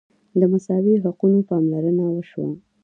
د مساوي حقونو پاملرنه وشوه.